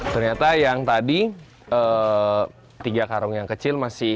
ternyata yang tadi tiga karung yang kecil masih